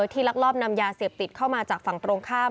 ลักลอบนำยาเสพติดเข้ามาจากฝั่งตรงข้าม